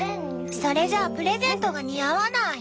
それじゃあプレゼントが似合わない。